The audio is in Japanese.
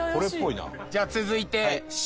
じゃあ続いてＣ。